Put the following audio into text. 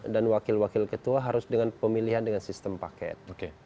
dan wakil wakil ketua harus dengan pemilihan dengan sistem paket